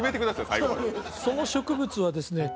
最後その植物はですね